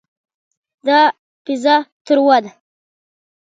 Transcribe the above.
دا پیزا تروه ده.